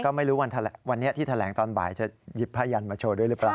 ก็ไม่รู้วันนี้ที่แถลงตอนบ่ายจะหยิบผ้ายันมาโชว์ด้วยหรือเปล่า